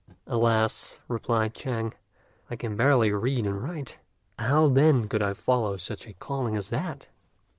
"Alas!" replied Chang, "I can barely read and write; how then could I follow such a calling as that?"